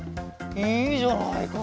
いいじゃないか。